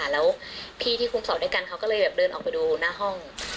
แล้วพี่ที่คุมสอบด้วยกันเขาก็เลยแบบเดินออกไปดูหน้าห้อง